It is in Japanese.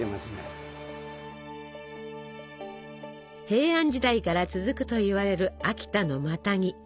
平安時代から続くといわれる秋田のマタギ。